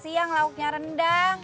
siang lauknya rendang